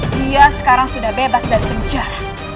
dia sekarang sudah bebas dari penjara